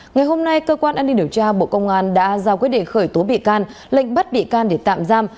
ngày hôm nay cơ quan an ninh điều tra bộ công an đã giao quyết định khởi tố bị can lệnh bắt bị can để tạm giam